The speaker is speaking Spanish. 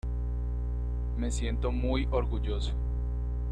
Me siento muy orgulloso.